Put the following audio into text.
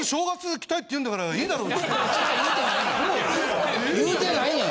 来たい言うてないやん！